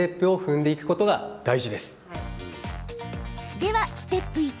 では、ステップ１。